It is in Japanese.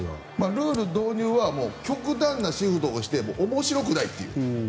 ルール導入は極端なシフトをしても面白くないという。